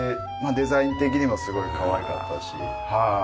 デザイン的にもすごいかわいかったしはい。